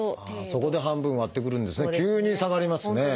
そこで半分割ってくるんですね。